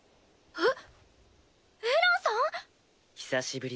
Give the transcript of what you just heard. えっ！